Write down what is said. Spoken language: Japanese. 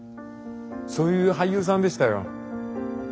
そういう俳優さんでしたよ。